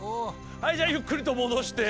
はいじゃあゆっくりともどして。